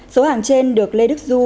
số hàng trên được lê đức du